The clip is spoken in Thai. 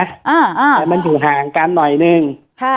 อ้าอออมันอยู่ห่างกันหน่อยหนึ่งฮะ